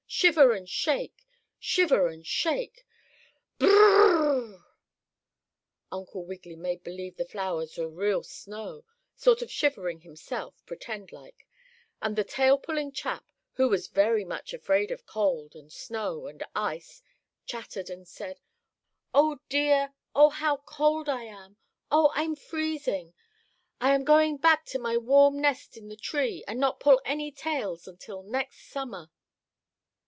Shiver and shake! Shake and shiver! Burr r r r r!" Uncle Wiggily made believe the flowers were real snow, sort of shivering himself (pretend like) and the tail pulling chap, who was very much afraid of cold and snow and ice, chattered and said: "Oh, dear! Oh, how cold I am! Oh, I'm freezing. I am going back to my warm nest in the tree and not pull any tails until next summer!"